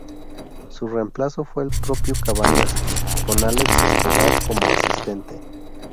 Su reemplazo fue el propio Cabañas, con Alex Escobar como asistente.